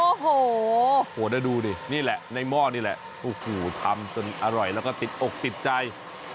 โอ้โหแล้วดูดินี่แหละในหม้อนี่แหละโอ้โหทำจนอร่อยแล้วก็ติดอกติดใจ